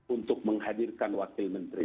untuk menghadirkan wakil menteri